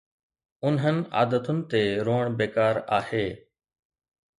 انهن عادتن تي روئڻ بيڪار آهي.